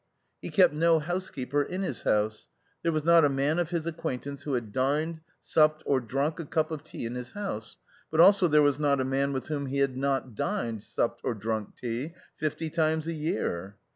He kept no housekeeper in his house. There was not a man of his acquaintance who had dined, supped or drunk a cup of tea in his house, but also there was not a man with whom he had not dined, supped or drunk tea fifty times a year.